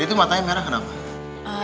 itu matanya merah kenapa